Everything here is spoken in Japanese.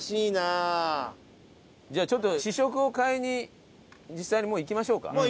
じゃあちょっと試食を買いに実際にもう行きましょうか。